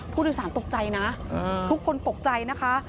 ผู้โดยสารตกใจนะทุกคนตกใจนะคะ